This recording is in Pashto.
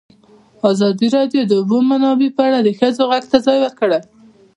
ازادي راډیو د د اوبو منابع په اړه د ښځو غږ ته ځای ورکړی.